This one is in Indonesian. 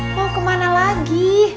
mau kemana lagi